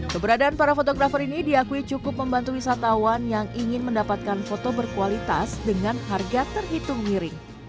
keberadaan para fotografer ini diakui cukup membantu wisatawan yang ingin mendapatkan foto berkualitas dengan harga terhitung miring